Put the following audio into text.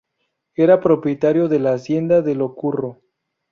Era propietario de la hacienda de Lo Curro.